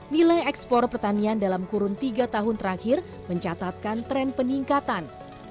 nilai ekspor pertanian dalam kurun tiga tahun terakhir mencatatkan tren peningkatan